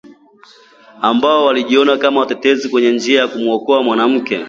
ambao walijiona kama watetezi kwenye njia ya kumwokoa mwanamke